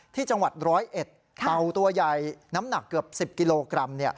ที่จังหวัดร้อยเอ็ดเต่าตัวใหญ่น้ำหนักเกือบ๑๐กิโลกรัม